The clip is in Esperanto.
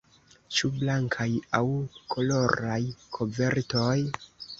Ĉu blankaj aŭ koloraj kovertoj?